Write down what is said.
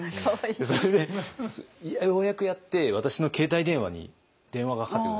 それでようやくやって私の携帯電話に電話がかかってくるんですよ。